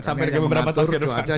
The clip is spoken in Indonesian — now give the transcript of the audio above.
sampai ada beberapa tahun ke depan